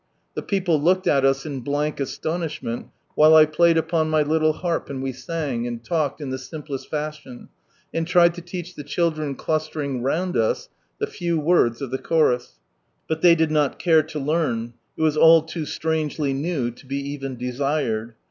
The people looked at us in blank astonishment while I played upon my little harp and we sang, and talked, in the simplest fashion, and tried to teach the children clustering round us the few words of the chorus, liut ihey did not care to learn : it was all too strangely new to be even desired.